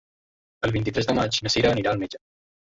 El vint-i-tres de maig na Cira anirà al metge.